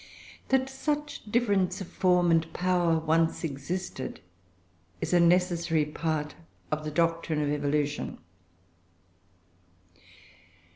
That such difference of form and power once existed is a necessary part of the doctrine of evolution.